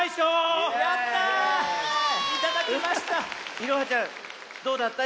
いろはちゃんどうだった？